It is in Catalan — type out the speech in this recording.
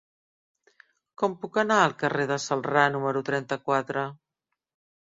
Com puc anar al carrer de Celrà número trenta-quatre?